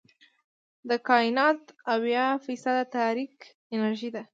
د کائنات اويا فیصده تاریک انرژي ده.